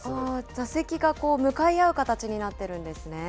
座席が向かい合う形になっているんですね。